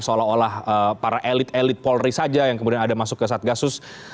seolah olah para elit elit polri saja yang kemudian ada masuk ke satgasus